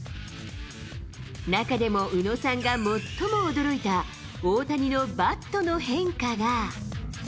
中でも宇野さんが最も驚いた、大谷のバットの変化が。